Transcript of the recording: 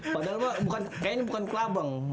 padahal kayaknya ini bukan kelabang